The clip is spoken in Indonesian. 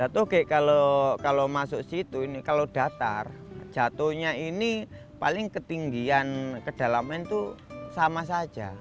tukik kalau datar jatuhnya ini paling ketinggian kedalaman itu sama saja